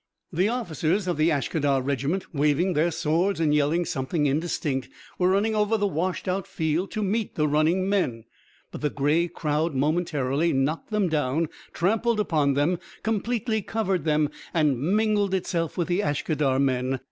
The officers of the Ashkadar regiment, waving their swords and yelling something indistinct, were running over the washed out field to meet the running men, but the grey crowd momentarily knocked them down, trampled upon them, completely covered them, and mingled itself with the Ashkadar men.